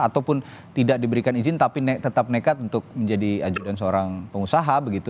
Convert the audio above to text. ataupun tidak diberikan izin tapi tetap nekat untuk menjadi ajudan seorang pengusaha begitu